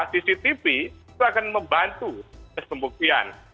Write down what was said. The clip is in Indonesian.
cctv itu akan membantu kesembuktian